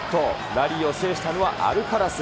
ラリーを制したのはアルカラス。